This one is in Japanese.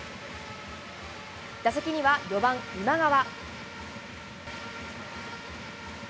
打席には４番今川。